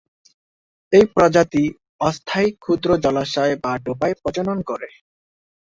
এই প্রজাতি অস্থায়ী ক্ষুদ্র জলাশয় বা ডোবায় প্রজনন করে।